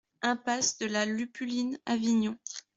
Impasse de la Lupuline, Avignon